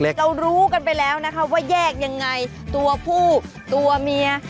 เรารู้กันไปแล้วนะคะว่าแยกยังไงตัวผู้ตัวเมีย